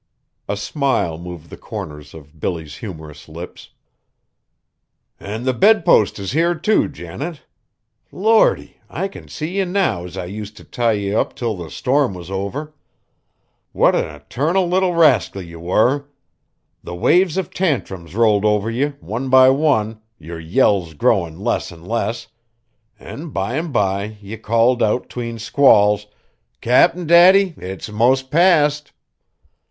A smile moved the corners of Billy's humorous lips. "An' the bedpost is here, too, Janet. Lordy! I can see ye now as I used t' tie ye up till the storm was over. What a 'tarnal little rascal ye war! The waves of tantrums rolled over ye, one by one, yer yells growin' less an' less; an' bime by ye called out 'tween squalls, 'Cap'n Daddy, it's most past!'"